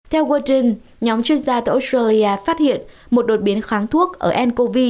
theo watchen nhóm chuyên gia tại australia phát hiện một đột biến kháng thuốc ở ncov